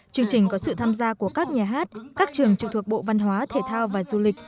chương trình có sự tham gia của các nhà hát các trường trực thuộc bộ văn hóa thể thao và du lịch